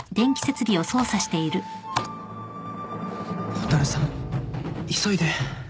蛍さん急いで。